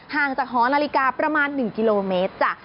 ห่างจากหอนาฬิกาประมาณ๑กิโลเมตรจ้ะ